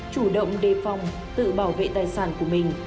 chủ động đề phòng tự bảo vệ tài sản của mình